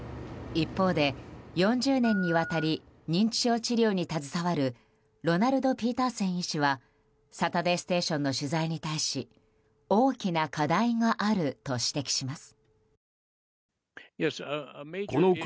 一方で、４０年にわたり認知症治療に携わるロナルド・ピーターセン医師は「サタデーステーション」の取材に対し大きな課題があると指摘します。